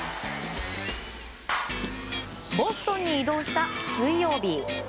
ボストンに移動した水曜日。